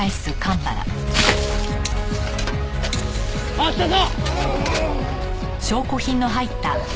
あったぞ！